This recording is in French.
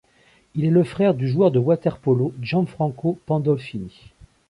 Il est le frère du joueur de water-polo Gianfranco Pandolfini.